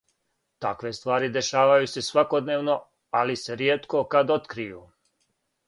Такве ствари дешавају се свакодневно, али се ријетко кад открију.